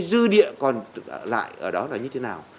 dư địa còn lại ở đó là như thế nào